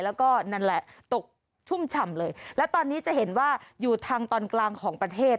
แล้วก็นั่นแหละตกชุ่มฉ่ำเลยและตอนนี้จะเห็นว่าอยู่ทางตอนกลางของประเทศ